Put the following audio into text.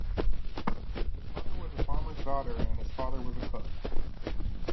His mother was a farmer's daughter and his father was a cook.